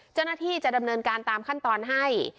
เจ้าหน้าที่จะดำเนินการตามขั้นตอนให้